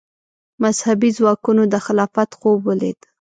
مذهبي ځواکونو د خلافت خوب ولید